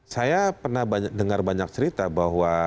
saya pernah dengar banyak cerita bahwa